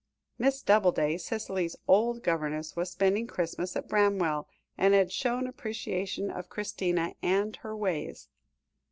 Miss Doubleday, Cicely's old governess, was spending Christmas at Bramwell, and had shown appreciation of Christina and her ways.